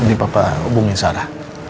nanti ya papa hubungin sally